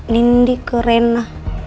nindi ke rena